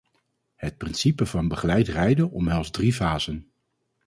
Het principe van begeleid rijden omhelst drie fasen.